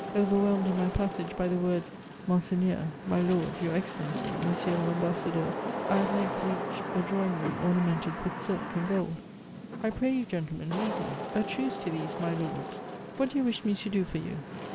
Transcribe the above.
Overwhelmed in my passage by the words, Monseigneur, my lord, your excellency, monsieur Tambassadeur, I at length reach a drawing room ornamented with silk and gold, I pray you, gentlemen, leave me ! A truce to these my lords !• what do you wish me to do for you